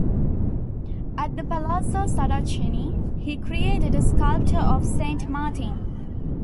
At the Palazzo Saracini, he created a sculpture of Saint Martin.